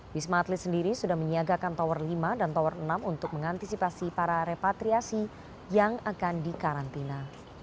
wisma atlet sendiri sudah menyiagakan tower lima dan tower enam untuk mengantisipasi para repatriasi yang akan dikarantina